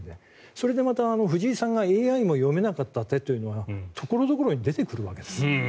それでまた藤井さんはＡＩも読めなかった手というのが所々に出てくるわけです。